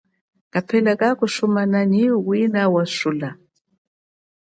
Kapela kakusumana nyi wina hiwasula.